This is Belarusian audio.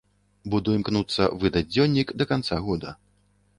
Буду імкнуцца выдаць дзённік да канца года.